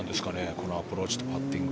このアプローチとパッティング。